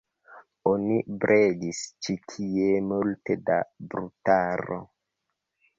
Oni bredis ĉi tie multe da brutaro.